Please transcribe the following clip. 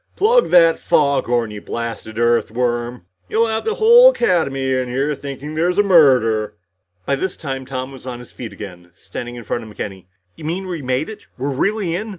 "Plug that foghorn, you blasted Earthworm. You'll have the whole Academy in here thinking there's a murder." By this time Tom was on his feet again, standing in front of McKenny. "You mean, we made it? We're really in?